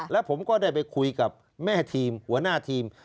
แล้วผมก็ได้ไปคุยกับแม่ทีมหัวหน้าทีม